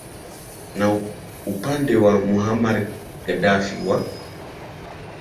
na upande ya muhamar gadaffi wa